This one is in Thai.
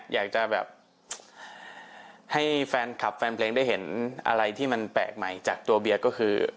อยากจะแบบให้แฟนคลับแฟนเพลงได้เห็นอะไรที่มันแปลกใหม่จากตัวเบียร์ก็คือ